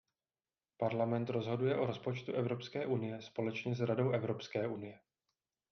Parlament rozhoduje o rozpočtu Evropské unie společně s Radou Evropské unie.